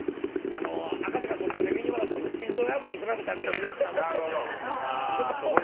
赤坂５丁目ミニマラソンの心臓破りに比べたら楽なもんですよ。